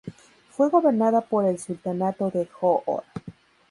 Fue gobernada por el Sultanato de Johor.